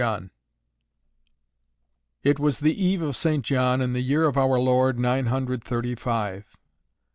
JOHN It was the eve of St. John in the year of our Lord Nine Hundred Thirty Five.